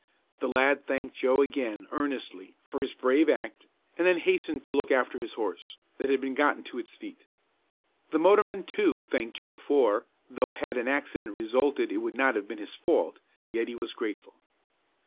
The lad thanked Joe again, earnestly, for his brave act and then hastened to look after his horse, that had been gotten to its feet. The motorman, too, thanked Joe for, though had an accident resulted it would not have been his fault, yet he was grateful.